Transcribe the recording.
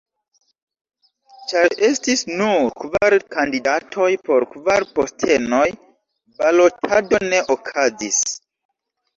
Ĉar estis nur kvar kandidatoj por kvar postenoj, balotado ne okazis.